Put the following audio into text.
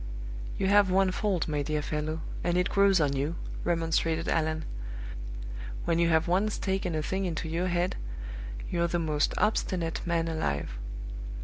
"You have one fault, my dear fellow, and it grows on you," remonstrated Allan; "when you have once taken a thing into our head, you're the most obstinate man alive.